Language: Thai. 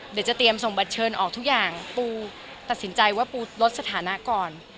เดี๋ยวจะเตรียมส่งบัตรเชิญออกทุกอย่างปูตัดสินใจว่าปูลดสถานะก่อน